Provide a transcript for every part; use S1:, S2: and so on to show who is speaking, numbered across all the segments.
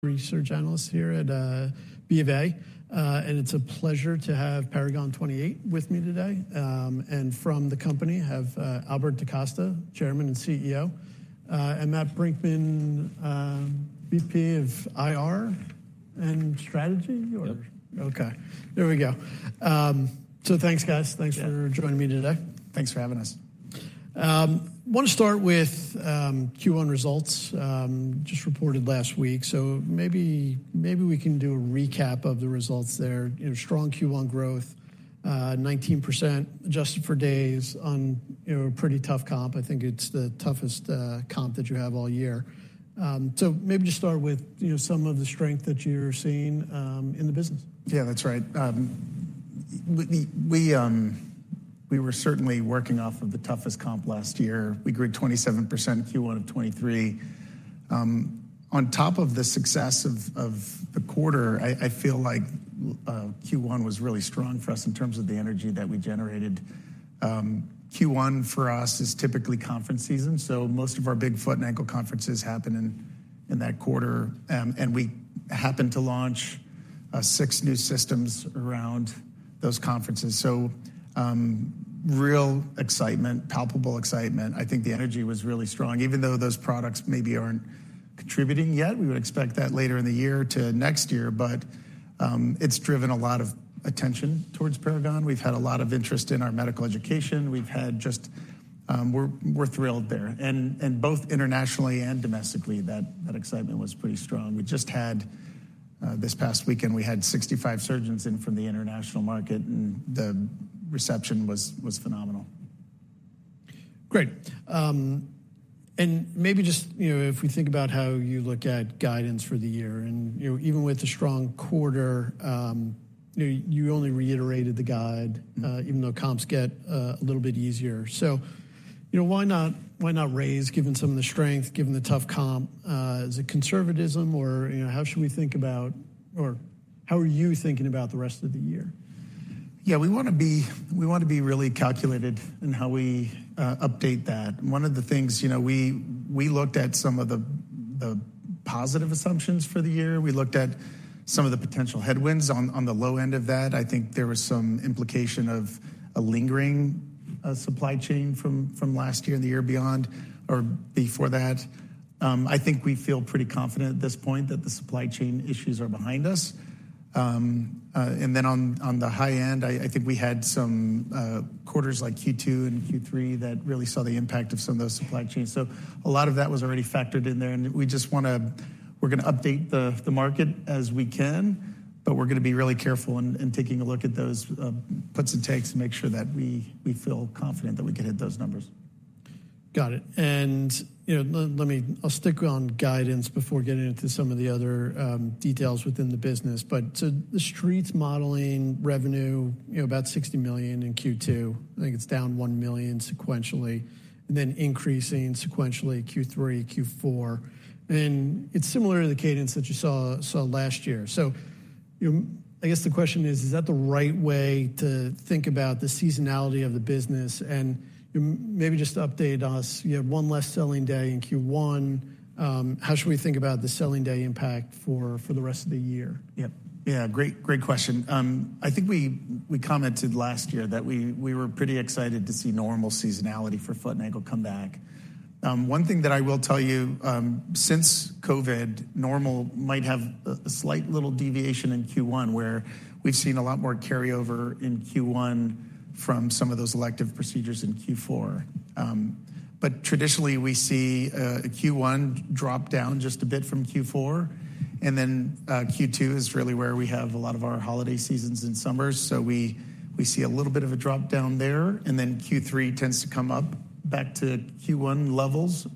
S1: Research analyst here at BofA, and it's a pleasure to have Paragon 28 with me today. From the company, I have Albert DaCosta, Chairman and CEO, and Matt Brinckman, VP of IR and strategy, or?
S2: Yep.
S1: Okay. There we go. So thanks, guys. Thanks for joining me today.
S2: Thanks for having us.
S1: Want to start with Q1 results just reported last week, so maybe we can do a recap of the results there. Strong Q1 growth, 19% adjusted for days on pretty tough comp. I think it's the toughest comp that you have all year. So maybe just start with some of the strength that you're seeing in the business.
S2: Yeah, that's right. We were certainly working off of the toughest comp last year. We grew 27% Q1 of 2023. On top of the success of the quarter, I feel like Q1 was really strong for us in terms of the energy that we generated. Q1 for us is typically conference season, so most of our big foot-and-ankle conferences happen in that quarter, and we happened to launch 6 new systems around those conferences. So real excitement, palpable excitement. I think the energy was really strong, even though those products maybe aren't contributing yet. We would expect that later in the year to next year, but it's driven a lot of attention towards Paragon. We've had a lot of interest in our medical education. We're thrilled there. And both internationally and domestically, that excitement was pretty strong. This past weekend, we had 65 surgeons in from the international market, and the reception was phenomenal.
S1: Great. Maybe just if we think about how you look at guidance for the year, and even with a strong quarter, you only reiterated the guide, even though comps get a little bit easier. So why not raise, given some of the strength, given the tough comp? Is it conservatism, or how should we think about or how are you thinking about the rest of the year?
S2: Yeah, we want to be really calculated in how we update that. One of the things, we looked at some of the positive assumptions for the year. We looked at some of the potential headwinds on the low end of that. I think there was some implication of a lingering supply chain from last year and the year beyond or before that. I think we feel pretty confident at this point that the supply chain issues are behind us. And then on the high end, I think we had some quarters like Q2 and Q3 that really saw the impact of some of those supply chains. So a lot of that was already factored in there, and we're going to update the market as we can, but we're going to be really careful in taking a look at those puts and takes and make sure that we feel confident that we can hit those numbers.
S1: Got it. Let me, I'll stick to guidance before getting into some of the other details within the business. But so the Street's modeling revenue, about $60 million in Q2. I think it's down $1 million sequentially, and then increasing sequentially Q3, Q4. And it's similar to the cadence that you saw last year. So I guess the question is, is that the right way to think about the seasonality of the business? And maybe just update us. You had one less selling day in Q1. How should we think about the selling day impact for the rest of the year?
S2: Yep. Yeah, great question. I think we commented last year that we were pretty excited to see normal seasonality for foot and ankle come back. One thing that I will tell you, since COVID, normal might have a slight little deviation in Q1 where we've seen a lot more carryover in Q1 from some of those elective procedures in Q4. But traditionally, we see a Q1 drop down just a bit from Q4, and then Q2 is really where we have a lot of our holiday seasons and summers. So we see a little bit of a drop down there, and then Q3 tends to come up back to Q1 levels,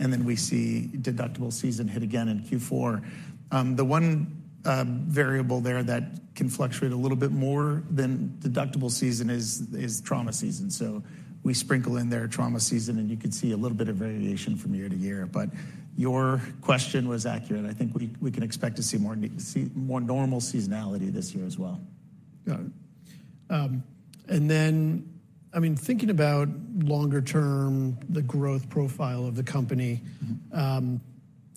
S2: and then we see deductible season hit again in Q4. The one variable there that can fluctuate a little bit more than deductible season is trauma season. So we sprinkle in there trauma season, and you could see a little bit of variation from year-to-year. But your question was accurate. I think we can expect to see more normal seasonality this year as well.
S1: Got it. And then, I mean, thinking about longer term, the growth profile of the company,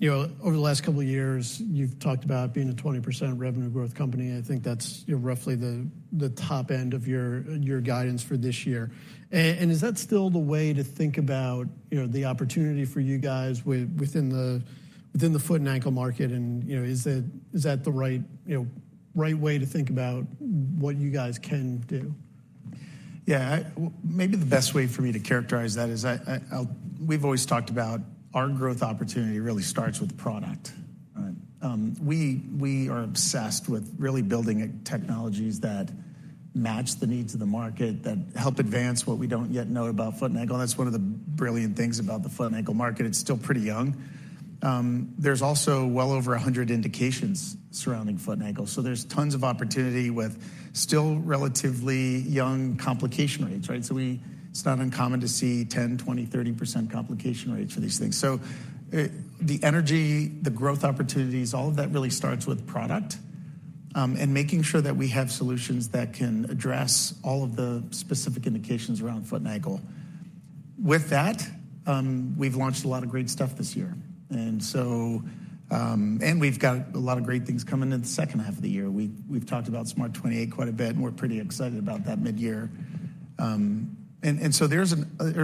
S1: over the last couple of years, you've talked about being a 20% revenue growth company. I think that's roughly the top end of your guidance for this year. And is that still the way to think about the opportunity for you guys within the foot and ankle market? And is that the right way to think about what you guys can do?
S2: Yeah. Maybe the best way for me to characterize that is we've always talked about our growth opportunity really starts with product. We are obsessed with really building technologies that match the needs of the market, that help advance what we don't yet know about foot and ankle. And that's one of the brilliant things about the foot and ankle market. It's still pretty young. There's also well over 100 indications surrounding foot and ankle. So there's tons of opportunity with still relatively young complication rates, right? So it's not uncommon to see 10%, 20%, 30% complication rates for these things. So the energy, the growth opportunities, all of that really starts with product and making sure that we have solutions that can address all of the specific indications around foot and ankle. With that, we've launched a lot of great stuff this year, and we've got a lot of great things coming in the second half of the year. We've talked about SMART 28 quite a bit, and we're pretty excited about that mid-year. And so there's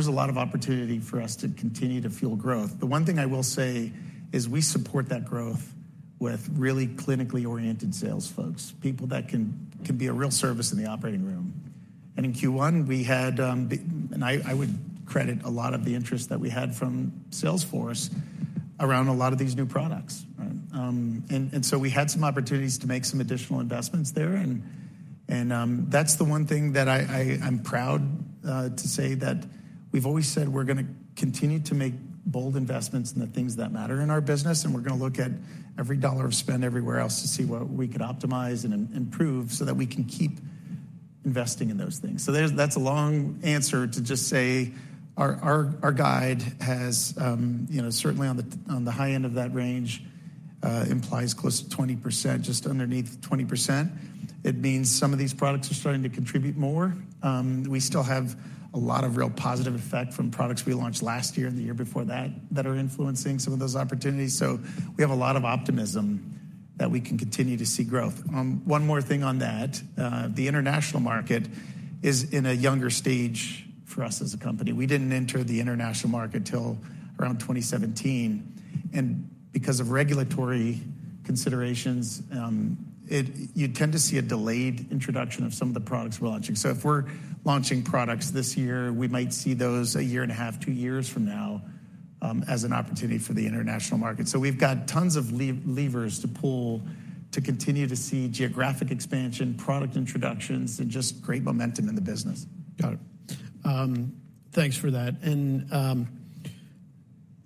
S2: a lot of opportunity for us to continue to fuel growth. The one thing I will say is we support that growth with really clinically oriented sales folks, people that can be a real service in the operating room. And in Q1, we had and I would credit a lot of the interest that we had from sales force around a lot of these new products. And so we had some opportunities to make some additional investments there. That's the one thing that I'm proud to say that we've always said we're going to continue to make bold investments in the things that matter in our business, and we're going to look at every dollar of spend everywhere else to see what we could optimize and improve so that we can keep investing in those things. That's a long answer to just say our guide has certainly on the high end of that range implies close to 20%, just underneath 20%. It means some of these products are starting to contribute more. We still have a lot of real positive effect from products we launched last year and the year before that that are influencing some of those opportunities. We have a lot of optimism that we can continue to see growth. One more thing on that, the international market is in a younger stage for us as a company. We didn't enter the international market till around 2017. And because of regulatory considerations, you tend to see a delayed introduction of some of the products we're launching. So if we're launching products this year, we might see those a year and a half, 2 years from now as an opportunity for the international market. So we've got tons of levers to pull to continue to see geographic expansion, product introductions, and just great momentum in the business.
S1: Got it. Thanks for that. And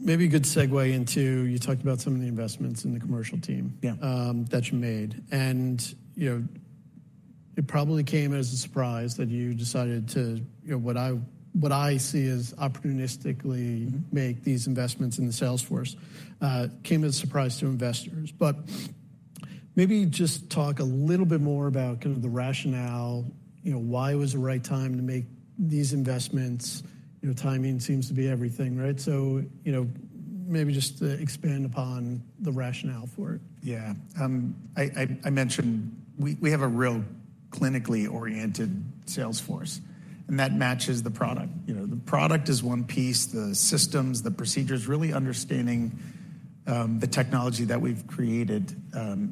S1: maybe a good segue into you talked about some of the investments in the commercial team that you made. And it probably came as a surprise that you decided to what I see as opportunistically make these investments in the sales force came as a surprise to investors. But maybe just talk a little bit more about kind of the rationale, why it was the right time to make these investments. Timing seems to be everything, right? So maybe just expand upon the rationale for it.
S2: Yeah. I mentioned we have a real clinically oriented sales force, and that matches the product. The product is one piece. The systems, the procedures, really understanding the technology that we've created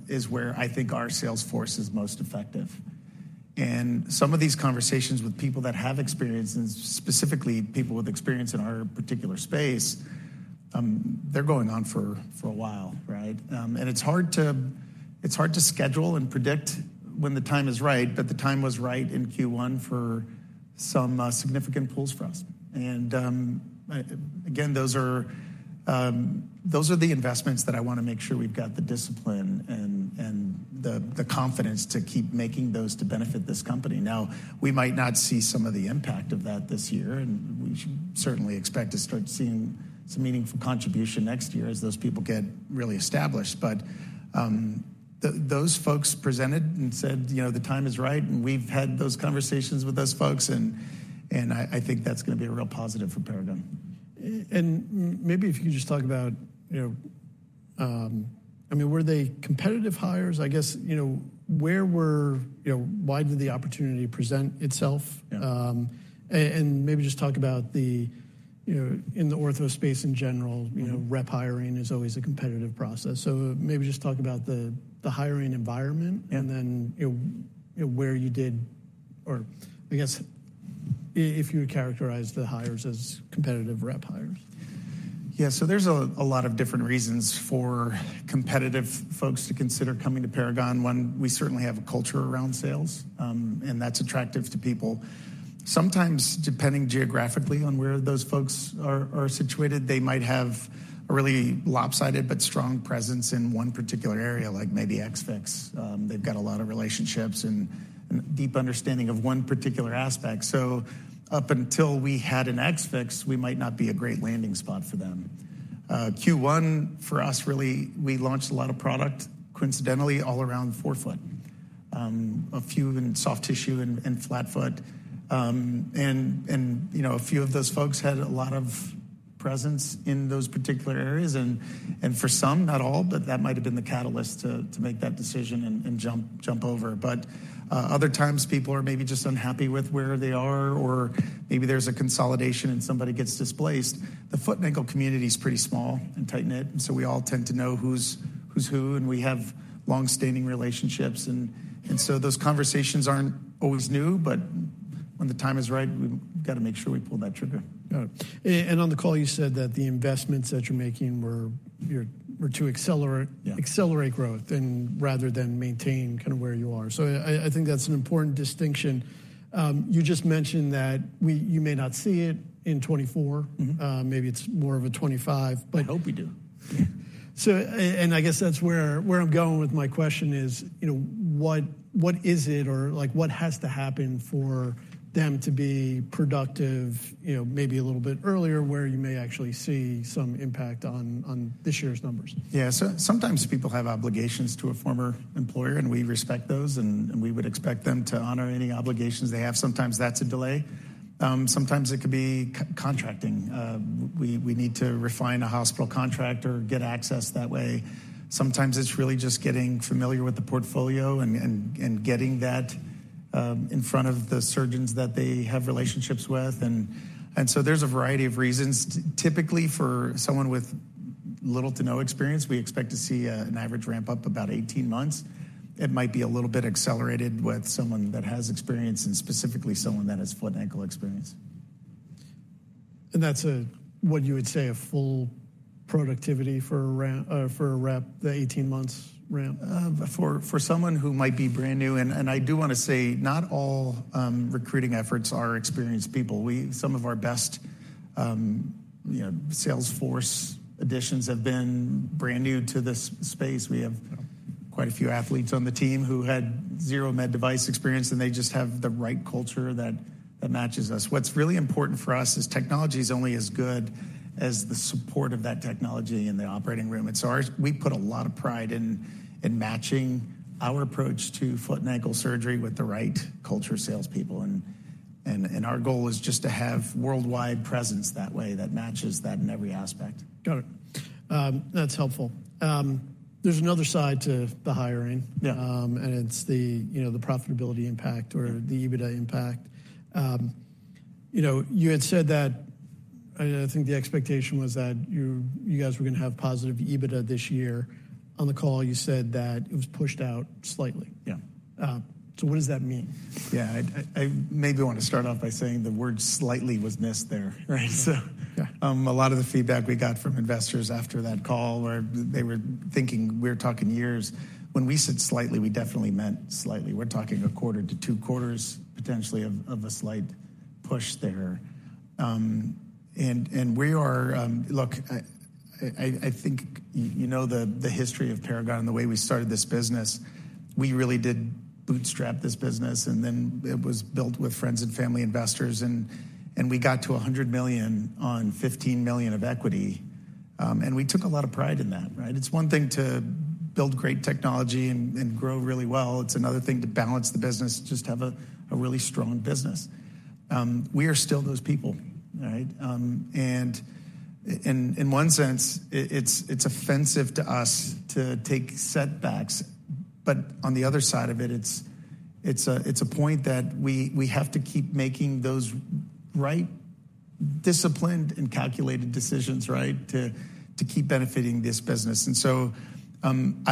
S2: is where I think our sales force is most effective. And some of these conversations with people that have experience, and specifically people with experience in our particular space, they're going on for a while, right? And it's hard to schedule and predict when the time is right, but the time was right in Q1 for some significant pulls for us. And again, those are the investments that I want to make sure we've got the discipline and the confidence to keep making those to benefit this company. Now, we might not see some of the impact of that this year, and we certainly expect to start seeing some meaningful contribution next year as those people get really established. But those folks presented and said the time is right, and we've had those conversations with those folks, and I think that's going to be a real positive for Paragon.
S1: Maybe if you could just talk about, I mean, were they competitive hires? I guess, where, why did the opportunity present itself? Maybe just talk about the, in the ortho space in general, rep hiring is always a competitive process. So maybe just talk about the hiring environment and then, where you did or, I guess, if you would characterize the hires as competitive rep hires.
S2: Yeah. So there's a lot of different reasons for competitive folks to consider coming to Paragon. One, we certainly have a culture around sales, and that's attractive to people. Sometimes, depending geographically on where those folks are situated, they might have a really lopsided but strong presence in one particular area, like maybe Ex-Fix. They've got a lot of relationships and deep understanding of one particular aspect. So up until we had an Ex-Fix, we might not be a great landing spot for them. Q1, for us, really, we launched a lot of product, coincidentally, all around forefoot, a few in soft tissue and flat foot. And a few of those folks had a lot of presence in those particular areas. And for some, not all, but that might have been the catalyst to make that decision and jump over. But other times, people are maybe just unhappy with where they are, or maybe there's a consolidation and somebody gets displaced. The foot and ankle community is pretty small and tight-knit, and so we all tend to know who's who, and we have long-standing relationships. And so those conversations aren't always new, but when the time is right, we've got to make sure we pull that trigger.
S1: Got it. And on the call, you said that the investments that you're making were to accelerate growth rather than maintain kind of where you are. So I think that's an important distinction. You just mentioned that you may not see it in 2024. Maybe it's more of a 2025, but.
S2: I hope we do.
S1: I guess that's where I'm going with my question is, what is it or what has to happen for them to be productive maybe a little bit earlier where you may actually see some impact on this year's numbers?
S2: Yeah. So sometimes people have obligations to a former employer, and we respect those, and we would expect them to honor any obligations they have. Sometimes that's a delay. Sometimes it could be contracting. We need to refine a hospital contract or get access that way. Sometimes it's really just getting familiar with the portfolio and getting that in front of the surgeons that they have relationships with. And so there's a variety of reasons. Typically, for someone with little to no experience, we expect to see an average ramp up about 18 months. It might be a little bit accelerated with someone that has experience and specifically someone that has foot and ankle experience.
S1: That's what you would say, a full productivity for a rep, the 18-month ramp?
S2: For someone who might be brand new, and I do want to say not all recruiting efforts are experienced people. Some of our best sales force additions have been brand new to this space. We have quite a few athletes on the team who had zero med device experience, and they just have the right culture that matches us. What's really important for us is technology is only as good as the support of that technology in the operating room. And so we put a lot of pride in matching our approach to foot and ankle surgery with the right culture salespeople. And our goal is just to have worldwide presence that way that matches that in every aspect.
S1: Got it. That's helpful. There's another side to the hiring, and it's the profitability impact or the EBITDA impact. You had said that I think the expectation was that you guys were going to have positive EBITDA this year. On the call, you said that it was pushed out slightly. So what does that mean?
S2: Yeah. I maybe want to start off by saying the word slightly was missed there, right? So a lot of the feedback we got from investors after that call where they were thinking we're talking years. When we said slightly, we definitely meant slightly. We're talking a quarter to 2 quarters, potentially, of a slight push there. And we are look, I think you know the history of Paragon and the way we started this business. We really did bootstrap this business, and then it was built with friends and family investors, and we got to $100 million on $15 million of equity. And we took a lot of pride in that, right? It's one thing to build great technology and grow really well. It's another thing to balance the business, just have a really strong business. We are still those people, right? In one sense, it's offensive to us to take setbacks. But on the other side of it, it's a point that we have to keep making those right disciplined and calculated decisions, right, to keep benefiting this business. So I'm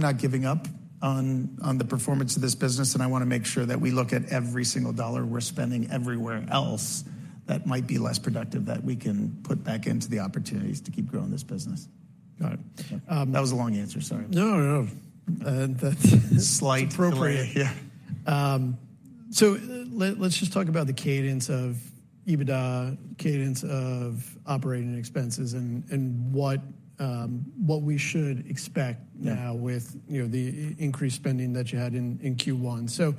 S2: not giving up on the performance of this business, and I want to make sure that we look at every single dollar we're spending everywhere else that might be less productive that we can put back into the opportunities to keep growing this business.
S1: Got it.
S2: That was a long answer. Sorry.
S1: No, no.
S2: Slight.
S1: Appropriate.
S2: Yeah.
S1: So let's just talk about the cadence of EBITDA, cadence of operating expenses, and what we should expect now with the increased spending that you had in Q1. So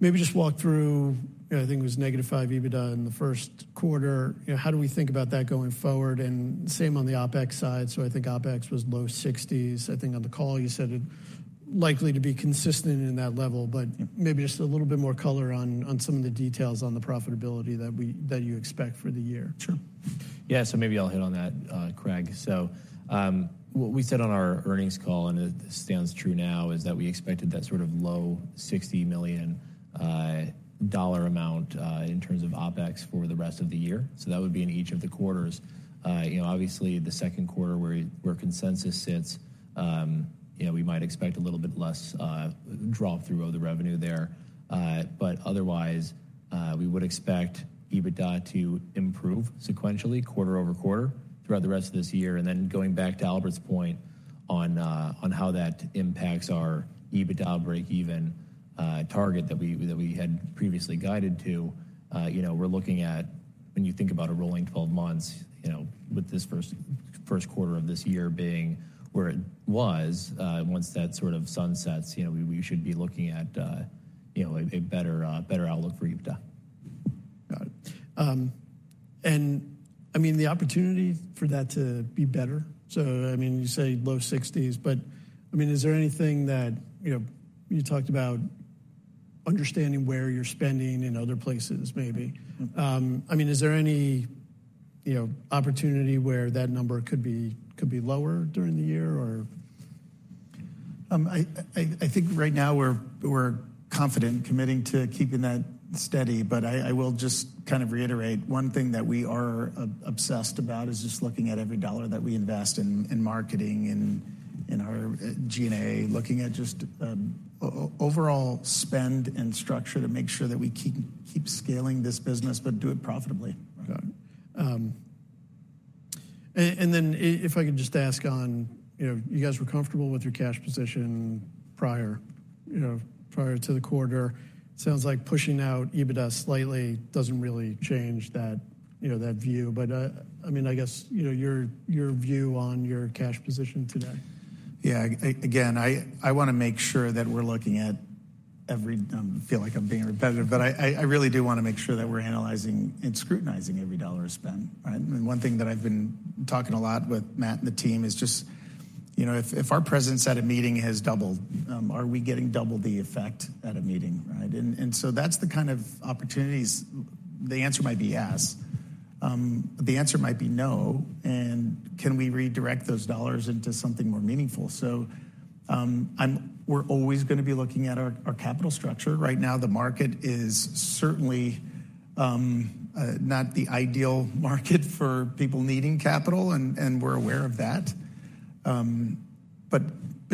S1: maybe just walk through I think it was -5 EBITDA in the first quarter. How do we think about that going forward? And same on the OpEx side. So I think OpEx was low 60s. I think on the call, you said it likely to be consistent in that level, but maybe just a little bit more color on some of the details on the profitability that you expect for the year.
S3: Sure. Yeah. So maybe I'll hit on that, Craig. So what we said on our earnings call, and it stands true now, is that we expected that sort of low $60 million amount in terms of OPEX for the rest of the year. So that would be in each of the quarters. Obviously, the second quarter where consensus sits, we might expect a little bit less draw-through of the revenue there. But otherwise, we would expect EBITDA to improve sequentially quarter-over-quarter throughout the rest of this year. And then going back to Albert's point on how that impacts our EBITDA break-even target that we had previously guided to, we're looking at when you think about a rolling 12 months with this first quarter of this year being where it was, once that sort of sunsets, we should be looking at a better outlook for EBITDA.
S1: Got it. And I mean, the opportunity for that to be better? So I mean, you say low 60s, but I mean, is there anything that you talked about understanding where you're spending in other places, maybe? I mean, is there any opportunity where that number could be lower during the year, or?
S2: I think right now, we're confident committing to keeping that steady. But I will just kind of reiterate, one thing that we are obsessed about is just looking at every dollar that we invest in marketing and in our G&A, looking at just overall spend and structure to make sure that we keep scaling this business but do it profitably.
S1: Got it. Then if I could just ask on you guys were comfortable with your cash position prior to the quarter. It sounds like pushing out EBITDA slightly doesn't really change that view. But I mean, I guess your view on your cash position today.
S2: Yeah. Again, I want to make sure that we're looking at every. I feel like I'm being repetitive, but I really do want to make sure that we're analyzing and scrutinizing every dollar spent, right? And one thing that I've been talking a lot with Matt and the team is just if our presence at a meeting has doubled, are we getting double the effect at a meeting, right? And so that's the kind of opportunities. The answer might be yes. The answer might be no. And can we redirect those dollars into something more meaningful? So we're always going to be looking at our capital structure. Right now, the market is certainly not the ideal market for people needing capital, and we're aware of that.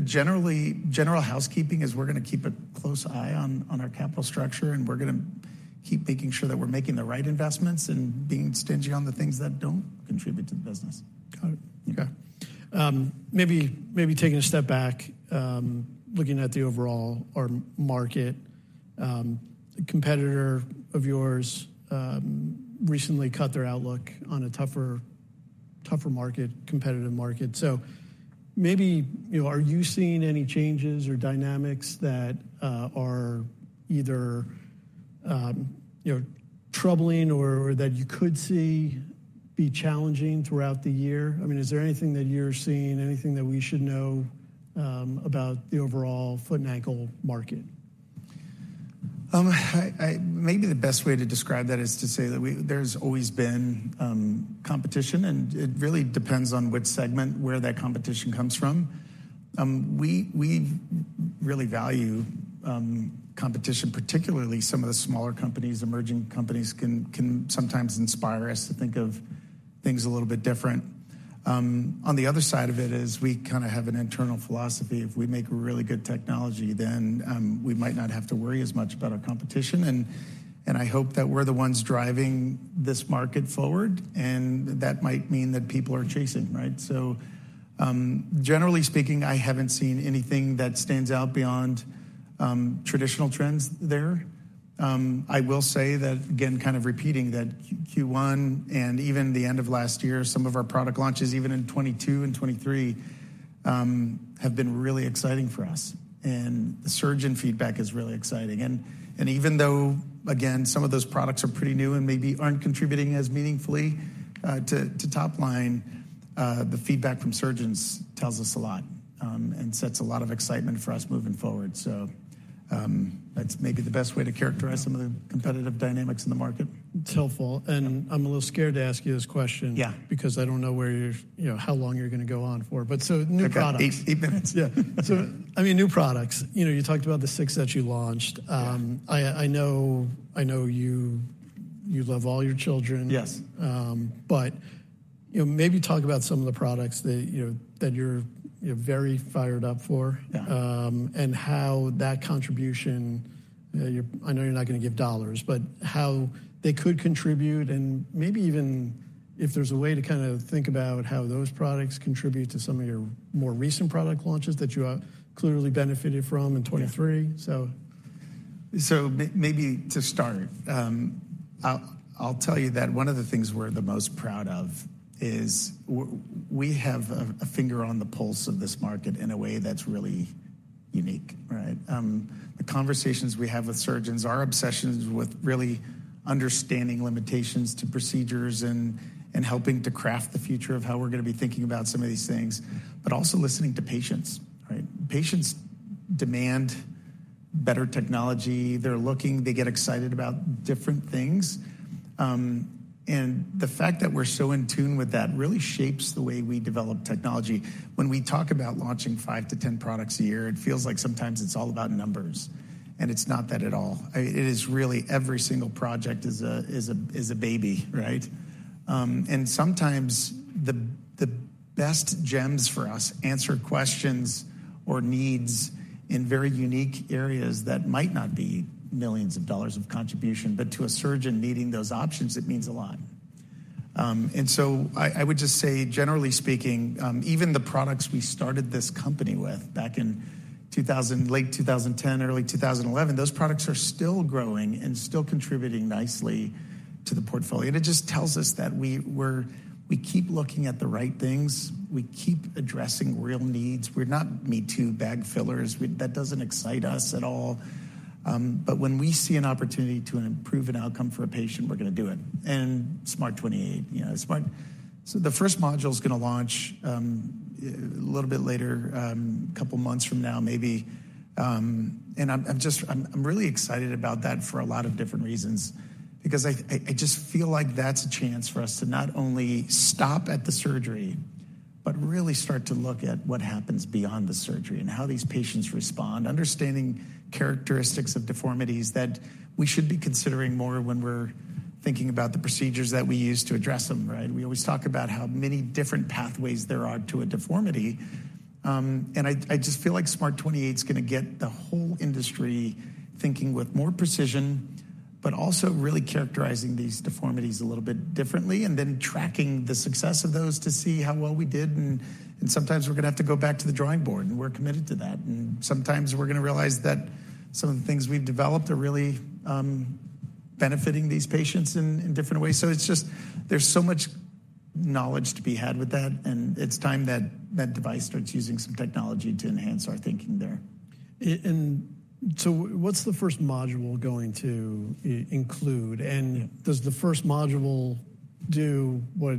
S2: Generally, general housekeeping is we're going to keep a close eye on our capital structure, and we're going to keep making sure that we're making the right investments and being stingy on the things that don't contribute to the business.
S1: Got it. Okay. Maybe taking a step back, looking at the overall market, a competitor of yours recently cut their outlook on a tougher market, competitive market. So maybe are you seeing any changes or dynamics that are either troubling or that you could see be challenging throughout the year? I mean, is there anything that you're seeing, anything that we should know about the overall foot and ankle market?
S2: Maybe the best way to describe that is to say that there's always been competition, and it really depends on which segment, where that competition comes from. We really value competition, particularly some of the smaller companies. Emerging companies can sometimes inspire us to think of things a little bit different. On the other side of it is we kind of have an internal philosophy. If we make a really good technology, then we might not have to worry as much about our competition. And I hope that we're the ones driving this market forward, and that might mean that people are chasing, right? So generally speaking, I haven't seen anything that stands out beyond traditional trends there. I will say that, again, kind of repeating that Q1 and even the end of last year, some of our product launches, even in 2022 and 2023, have been really exciting for us. And the surge in feedback is really exciting. And even though, again, some of those products are pretty new and maybe aren't contributing as meaningfully to top line, the feedback from surgeons tells us a lot and sets a lot of excitement for us moving forward. So that's maybe the best way to characterize some of the competitive dynamics in the market.
S1: It's helpful. And I'm a little scared to ask you this question because I don't know how long you're going to go on for. But so new products.
S2: Eight minutes.
S1: Yeah. So I mean, new products. You talked about the 6 that you launched. I know you love all your children. But maybe talk about some of the products that you're very fired up for and how that contribution. I know you're not going to give dollars, but how they could contribute. And maybe even if there's a way to kind of think about how those products contribute to some of your more recent product launches that you clearly benefited from in 2023, so.
S2: So maybe to start, I'll tell you that one of the things we're the most proud of is we have a finger on the pulse of this market in a way that's really unique, right? The conversations we have with surgeons, our obsessions with really understanding limitations to procedures and helping to craft the future of how we're going to be thinking about some of these things, but also listening to patients, right? Patients demand better technology. They're looking. They get excited about different things. And the fact that we're so in tune with that really shapes the way we develop technology. When we talk about launching 5-10 products a year, it feels like sometimes it's all about numbers. And it's not that at all. It is really every single project is a baby, right? And sometimes the best gems for us answer questions or needs in very unique areas that might not be millions of dollars of contribution, but to a surgeon needing those options, it means a lot. And so I would just say, generally speaking, even the products we started this company with back in late 2010, early 2011, those products are still growing and still contributing nicely to the portfolio. And it just tells us that we keep looking at the right things. We keep addressing real needs. We're not me too bag fillers. That doesn't excite us at all. But when we see an opportunity to improve an outcome for a patient, we're going to do it. And SMART 28. So the first module is going to launch a little bit later, a couple of months from now, maybe. I'm really excited about that for a lot of different reasons because I just feel like that's a chance for us to not only stop at the surgery but really start to look at what happens beyond the surgery and how these patients respond, understanding characteristics of deformities that we should be considering more when we're thinking about the procedures that we use to address them, right? We always talk about how many different pathways there are to a deformity. I just feel like SMART 28 is going to get the whole industry thinking with more precision but also really characterizing these deformities a little bit differently and then tracking the success of those to see how well we did. Sometimes we're going to have to go back to the drawing board, and we're committed to that. Sometimes we're going to realize that some of the things we've developed are really benefiting these patients in different ways. There's so much knowledge to be had with that, and it's time that device starts using some technology to enhance our thinking there.
S1: What's the first module going to include? Does the first module do what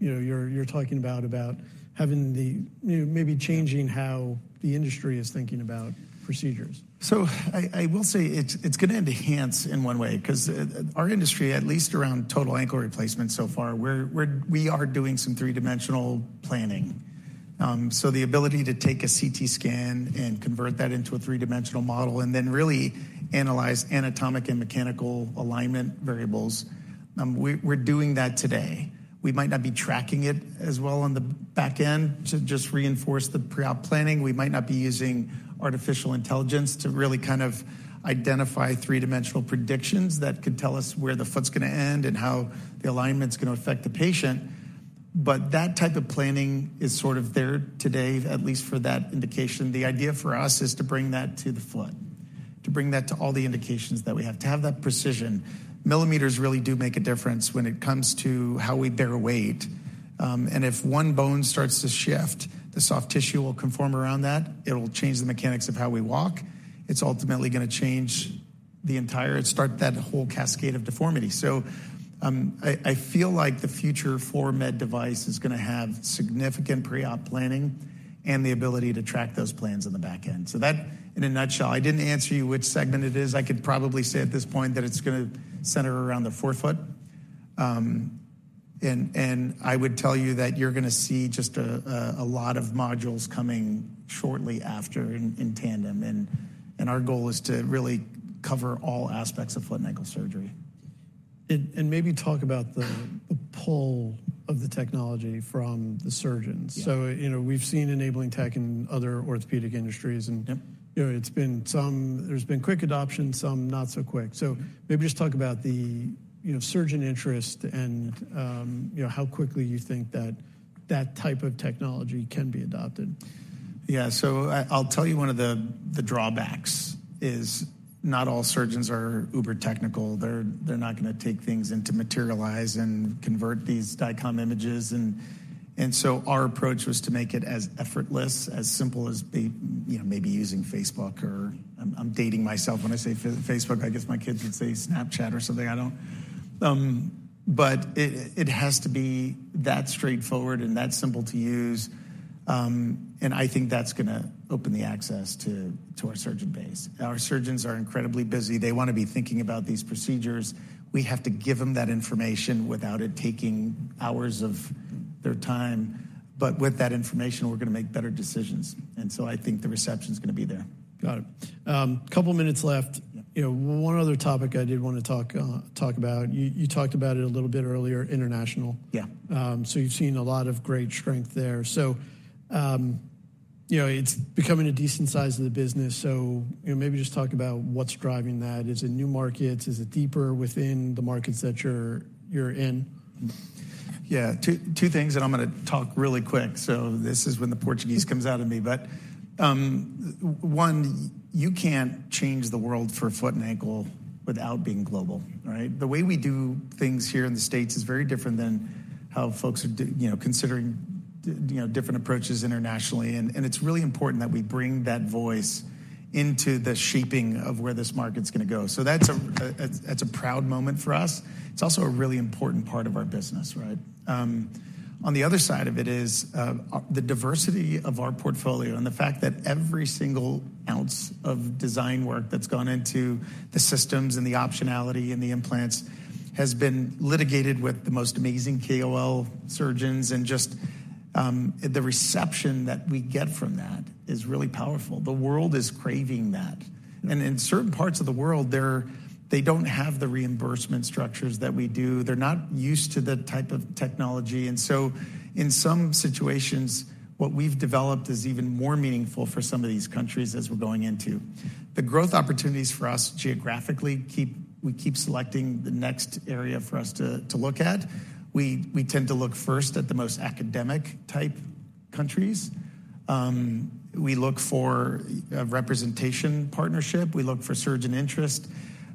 S1: you're talking about, about maybe changing how the industry is thinking about procedures?
S2: So I will say it's going to enhance in one way because our industry, at least around total ankle replacement so far, we are doing some three-dimensional planning. So the ability to take a CT scan and convert that into a three-dimensional model and then really analyze anatomic and mechanical alignment variables, we're doing that today. We might not be tracking it as well on the back end to just reinforce the preop planning. We might not be using artificial intelligence to really kind of identify three-dimensional predictions that could tell us where the foot's going to end and how the alignment's going to affect the patient. But that type of planning is sort of there today, at least for that indication. The idea for us is to bring that to the foot, to bring that to all the indications that we have, to have that precision. Millimeters really do make a difference when it comes to how we bear weight. And if one bone starts to shift, the soft tissue will conform around that. It'll change the mechanics of how we walk. It's ultimately going to change the entire start that whole cascade of deformity. So I feel like the future for Med Device is going to have significant preop planning and the ability to track those plans in the back end. So that, in a nutshell, I didn't answer you which segment it is. I could probably say at this point that it's going to center around the forefoot. And I would tell you that you're going to see just a lot of modules coming shortly after in tandem. And our goal is to really cover all aspects of foot and ankle surgery.
S1: Maybe talk about the pull of the technology from the surgeons. We've seen enabling tech in other orthopedic industries, and there's been quick adoption, some not so quick. Maybe just talk about the surgeon interest and how quickly you think that type of technology can be adopted.
S2: Yeah. So I'll tell you one of the drawbacks is not all surgeons are uber technical. They're not going to take things into Materialise and convert these DICOM images. And so our approach was to make it as effortless, as simple as maybe using Facebook or I'm dating myself. When I say Facebook, I guess my kids would say Snapchat or something. But it has to be that straightforward and that simple to use. And I think that's going to open the access to our surgeon base. Our surgeons are incredibly busy. They want to be thinking about these procedures. We have to give them that information without it taking hours of their time. But with that information, we're going to make better decisions. And so I think the reception is going to be there.
S1: Got it. Couple of minutes left. One other topic I did want to talk about. You talked about it a little bit earlier, international. So you've seen a lot of great strength there. So it's becoming a decent size of the business. So maybe just talk about what's driving that. Is it new markets? Is it deeper within the markets that you're in?
S2: Yeah. Two things that I'm going to talk really quick. So this is when the Portuguese comes out of me. But one, you can't change the world for foot and ankle without being global, right? The way we do things here in the States is very different than how folks are considering different approaches internationally. And it's really important that we bring that voice into the shaping of where this market's going to go. So that's a proud moment for us. It's also a really important part of our business, right? On the other side of it is the diversity of our portfolio and the fact that every single ounce of design work that's gone into the systems and the optionality and the implants has been litigated with the most amazing KOL surgeons. And just the reception that we get from that is really powerful. The world is craving that. In certain parts of the world, they don't have the reimbursement structures that we do. They're not used to the type of technology. And so in some situations, what we've developed is even more meaningful for some of these countries as we're going into. The growth opportunities for us geographically, we keep selecting the next area for us to look at. We tend to look first at the most academic type countries. We look for a representation partnership. We look for surgeon interest.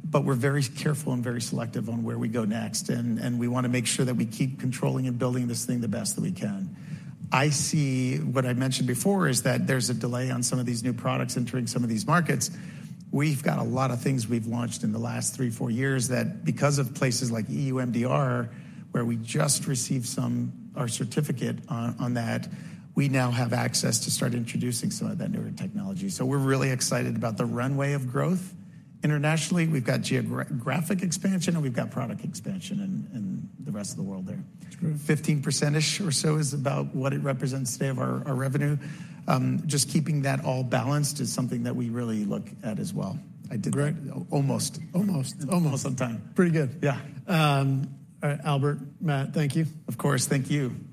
S2: But we're very careful and very selective on where we go next. And we want to make sure that we keep controlling and building this thing the best that we can. I see what I mentioned before is that there's a delay on some of these new products entering some of these markets. We've got a lot of things we've launched in the last 3-4 years that, because of places like EU MDR, where we just received our certificate on that, we now have access to start introducing some of that newer technology. So we're really excited about the runway of growth internationally. We've got geographic expansion, and we've got product expansion in the rest of the world there. 15%-ish or so is about what it represents today of our revenue. Just keeping that all balanced is something that we really look at as well. I did almost.
S1: Almost.
S2: Almost.
S1: Almost on time.
S2: Pretty good.
S1: Yeah. All right, Albert, Matt, thank you.
S2: Of course. Thank you.